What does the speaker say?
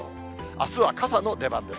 あすは傘の出番です。